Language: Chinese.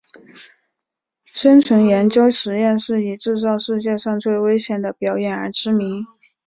生存研究实验室以制造世界上最危险的表演而知名。